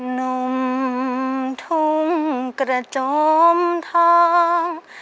นมทุ่งกระจมทอง